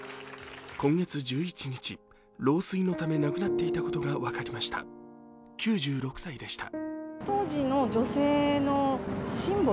今月１１日、老衰のため亡くなっていたことが分かりました、９６歳でした。